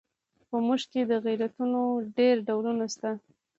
په موږ کې د غیرتونو ډېر ډولونه شته.